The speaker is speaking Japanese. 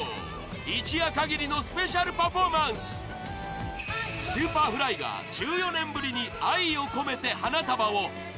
一夜限りのスペシャルパフォーマンスＳｕｐｅｒｆｌｙが１４年ぶりに「愛をこめて花束を」